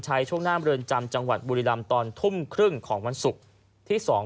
ช่วงหน้าเมืองจำจังหวัดบุรีรำตอนทุ่มครึ่งของวันศุกร์ที่สอง